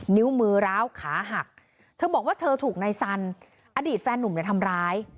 นิ้วมือร้าวขาหักเธอบอกว่าเธอถูกนายสันอดีตแฟนหนุ่มเนี่ยทำร้าย